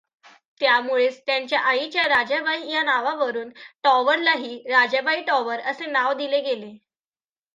त्यामुळेच त्यांच्या आईच्या राजाबाई या नावावरून टॉवरलाही राजाबाई टॉवर असे नाव दिले गेले.